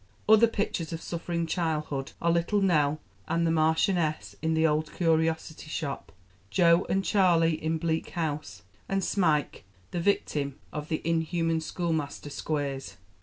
Other pictures of suffering childhood are 'Little Nell' and 'The Marchioness' in The Old Curiosity Shop, 'Jo' and 'Charley' in Bleak House, and 'Smike,' the victim of the inhuman schoolmaster 'Squeers.'